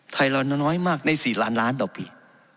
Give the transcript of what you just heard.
เราน้อยมากใน๔ล้านล้านต่อปี